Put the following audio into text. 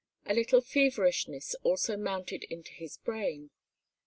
A little feverishness also mounted into his brain.